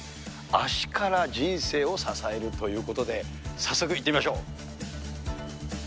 足から人生を支えるということで、早速行ってみましょう。